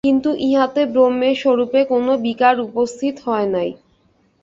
কিন্তু ইহাতে ব্রহ্মের স্বরূপে কোন বিকার উপস্থিত হয় নাই।